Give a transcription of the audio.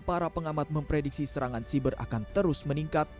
dan para pengamat memprediksi serangan siber akan terus meningkat